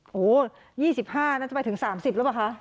โอ้โฮ๒๕น่าจะไปถึง๓๐แล้วป่ะคะ